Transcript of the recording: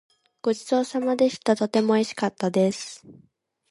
ごちそうさまでした。とてもおいしかったです。